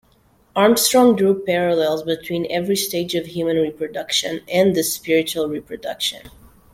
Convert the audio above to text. Armstrong drew parallels between every stage of human reproduction and this spiritual reproduction.